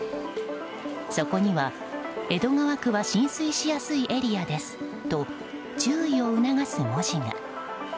そこには、江戸川区は浸水しやすいエリアですと注意を促す文字が。